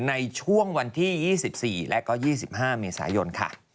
ในช่วงวันที่๒๔และก็๒๕เมษายนค่ะ